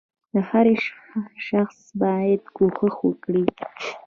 • هر شخص باید کوښښ وکړي.